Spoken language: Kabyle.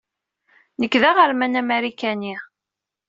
Nekk d aɣerman amarikani.